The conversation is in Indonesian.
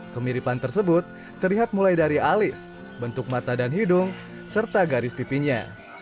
kemiripan tersebut terlihat mulai dari alis bentuk mata dan hidung serta garis pipinya